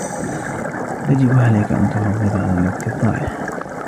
يجب عليك أن تعوض عن الوقت الضائع.